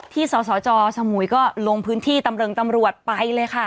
สสจสมุยก็ลงพื้นที่ตำเริงตำรวจไปเลยค่ะ